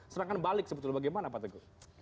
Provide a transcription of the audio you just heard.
serangan balik sebetulnya bagaimana pak tugu